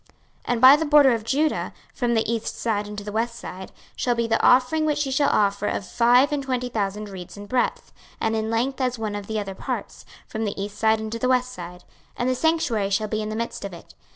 26:048:008 And by the border of Judah, from the east side unto the west side, shall be the offering which ye shall offer of five and twenty thousand reeds in breadth, and in length as one of the other parts, from the east side unto the west side: and the sanctuary shall be in the midst of it.